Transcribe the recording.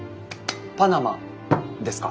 パナマですか？